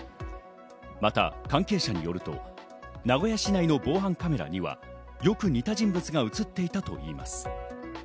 また関係者によると、名古屋市内の防犯カメラには、よく似た人物が映っていたといいます。